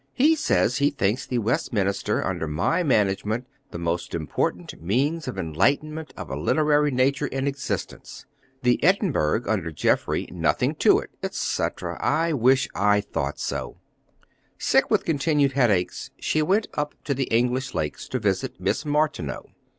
He says he thinks the Westminster under my management the most important means of enlightenment of a literary nature in existence; the Edinburgh, under Jeffrey, nothing to it, etc. I wish I thought so too." Sick with continued headaches, she went up to the English lakes to visit Miss Martineau.